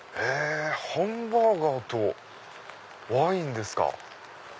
ハンバーガーとワインですか。